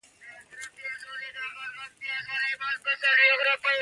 له احمد د غور مه ډارېږه.